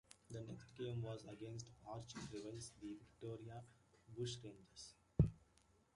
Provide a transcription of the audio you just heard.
The next game was against arch-rivals the Victoria Bushrangers.